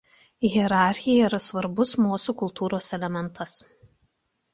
Hierarchija yra svarbus mosių kultūros elementas.